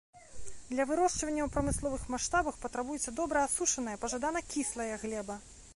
Для вырошчвання ў прамысловых маштабах патрабуецца добра асушаная, пажадана кіслая глеба.